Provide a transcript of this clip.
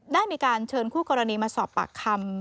ได้มีการเชิญคู่กรณีมาสอบปากคำ